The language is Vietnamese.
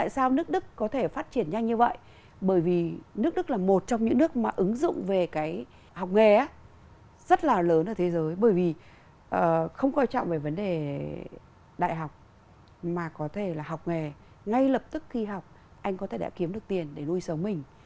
tại sao nước đức có thể phát triển nhanh như vậy bởi vì nước đức là một trong những nước mà ứng dụng về cái học nghề rất là lớn ở thế giới bởi vì không quan trọng về vấn đề đại học mà có thể là học nghề ngay lập tức khi học anh có thể đã kiếm được tiền để nuôi sống mình